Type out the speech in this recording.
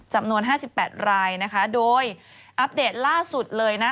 จำนวน๕๘รายนะคะโดยอัปเดตล่าสุดเลยนะ